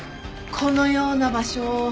「このような場所を」